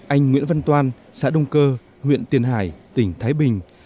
anh nguyễn văn toan xã đông cơ huyện tiền hải tỉnh thái bình